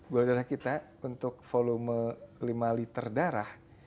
gula darah kita untuk volume lima liter darah